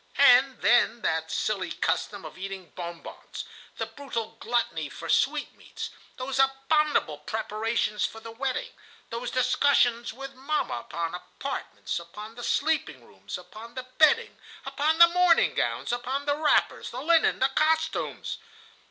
"And then that silly custom of eating bon bons, that brutal gluttony for sweetmeats, those abominable preparations for the wedding, those discussions with mamma upon the apartments, upon the sleeping rooms, upon the bedding, upon the morning gowns, upon the wrappers, the linen, the costumes!